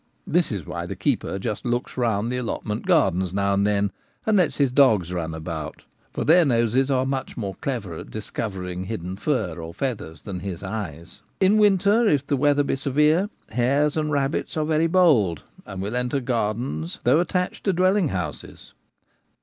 This is why the keeper just looks round the allotment gardens now and then, and lets his dogs run about ; for their noses are much more clever at discovering hidden fur or feathers than his eyes. In winter if the weather be severe, hares and rabbits are very bold, and will enter gardens though attached to dwelling houses.